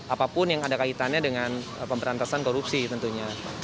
apapun yang ada kaitannya dengan pemberantasan korupsi tentunya